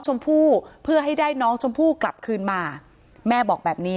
ชมพู่เพื่อให้ได้น้องชมพู่กลับคืนมาแม่บอกแบบนี้